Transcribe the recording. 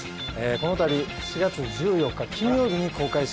このたび４月１４日金曜日に公開します